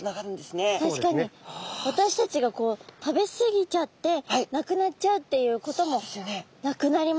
私たちがこう食べ過ぎちゃってなくなっちゃうっていうこともなくなりますもんね。